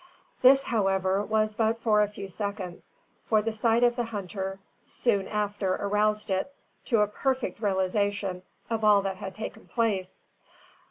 This, however, was but for a few seconds, for the sight of the hunter soon after aroused it to a perfect realisation of all that had taken place.